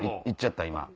行っちゃった。